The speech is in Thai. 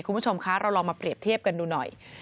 คุณผู้ชมคะเราลองมาเปรียบเทียบกันดูหน่อย